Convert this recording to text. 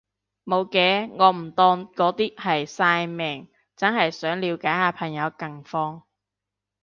無嘅，我唔當嗰啲係曬命，真係想了解下朋友近況